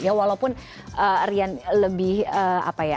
ya walaupun rian lebih apa ya